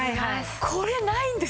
これないんですよ。